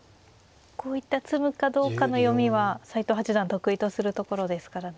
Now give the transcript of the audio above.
こういった詰むかどうかの読みは斎藤八段得意とするところですからね。